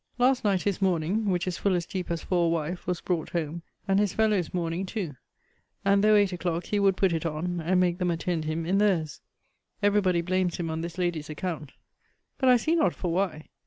Last night his mourning (which is full as deep as for a wife) was brought home, and his fellows' mourning too. And, though eight o'clock, he would put it on, and make them attend him in theirs. Every body blames him on this lady's account. But I see not for why.